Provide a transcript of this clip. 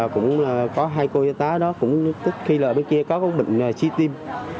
cũng có hai cô giáo tá đó cũng tích khi là bên kia có bệnh si tim